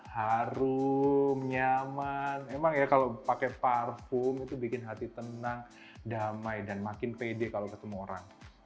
harum nyaman emang ya kalau pakai parfum itu bikin hati tenang damai dan makin pede kalau ketemu orang